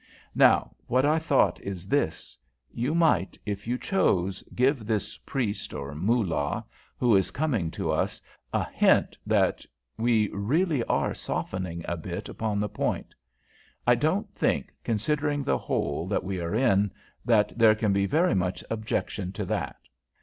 Now, what I thought is this. You might, if you chose, give this priest, or Moolah, who is coming to us, a hint that we really are softening a bit upon the point. I don't think, considering the hole that we are in, that there can be very much objection to that.